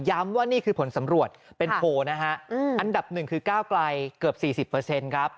ว่านี่คือผลสำรวจเป็นโพลนะฮะอันดับหนึ่งคือก้าวไกลเกือบ๔๐ครับ